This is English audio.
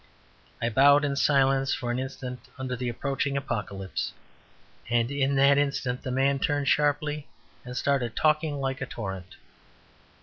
I bowed in silence for an instant under the approaching apocalypse; and in that instant the man turned sharply and started talking like a torrent.